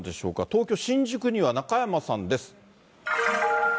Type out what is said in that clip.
東京・新宿には中山さんです。